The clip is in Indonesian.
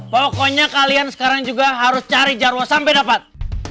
pokoknya kalian sekarang juga harus cari jadwal sampai dapat